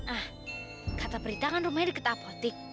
ah kata perita kan rumahnya deket apotik